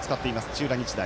土浦日大。